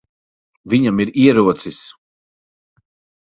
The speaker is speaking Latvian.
Viņam ir ierocis.